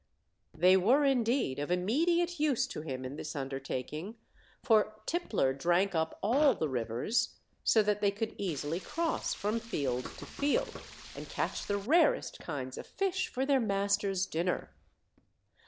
They were, indeed, of immediate use to him in this undertaking; for Tippler drank up all the rivers, so that they could easily cross from field to field, and catch the rarest kinds of fish for their master's din ner.